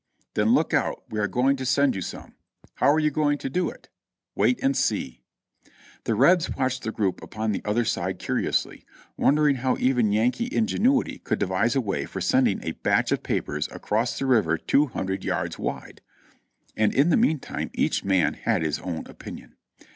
"Then look out, we are going to send you some." "How are you going to do it?" "Wait and see." The Rebs watched the group upon the other side curiously, wondering how even Yankee ingenuity could devise a way for sending a batch of papers across the river two hundred yards wide, and in the meantime each man had his own opinion.